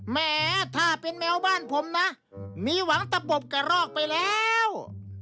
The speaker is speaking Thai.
แหมถ้าเป็นแมวบ้านผมนะมีหวังตะปบกระรอกไปแล้ว